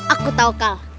aku tau kal